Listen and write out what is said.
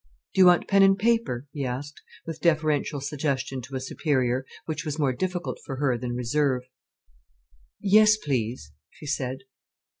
"Do you want pen and paper?" he asked, with deferential suggestion to a superior, which was more difficult for her than reserve. "Yes, please," she said.